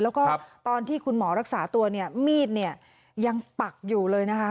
แล้วก็ตอนที่คุณหมอรักษาตัวเนี่ยมีดเนี่ยยังปักอยู่เลยนะคะ